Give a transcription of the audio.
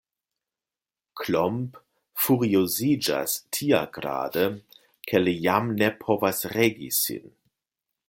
Klomp furioziĝas tiagrade, ke li jam ne povas regi sin.